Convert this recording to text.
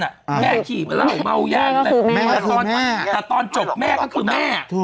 แม่ขี่เวลาเม้ายานแต่ตอนจบแม่ก็คือแม่